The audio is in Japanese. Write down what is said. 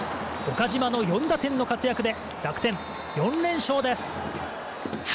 岡島の４打点の活躍で楽天、４連勝です！